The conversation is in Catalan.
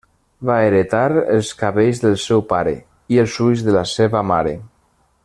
Va heretar els cabells del seu pare i els ulls de la seva mare.